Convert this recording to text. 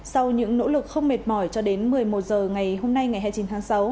sau những nỗ lực không mệt mỏi cho đến một mươi một h ngày hôm nay ngày hai mươi chín tháng sáu